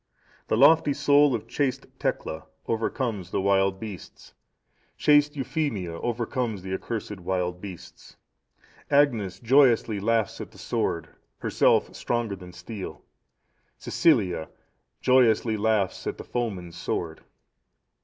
"The lofty soul of chaste Tecla overcomes the wild beasts; chaste Euphemia overcomes the accursed wild beasts. "Agnes joyously laughs at the sword, herself stronger than steel, Cecilia joyously laughs at the foemen's sword.